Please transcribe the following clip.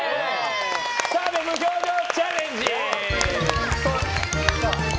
澤部無表情チャレンジ！